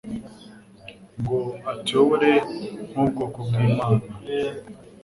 ngo atuyobore nk’ubwoko bw’Imana.